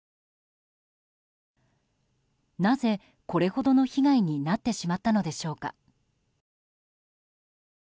なぜ、これほどの被害になってしまったのでしょうか。